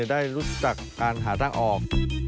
ได้รู้จักการหาทางออก